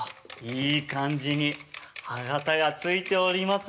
いい感じに歯形がついておりますね。